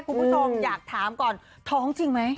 คุณผู้ชมอยากถามก่อนท้องจริงไหม